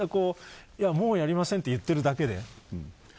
もうやりませんと言っているだけで。